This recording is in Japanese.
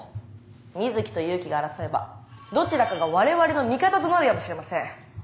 水木と祐樹が争えばどちらかが我々の味方となるやもしれません。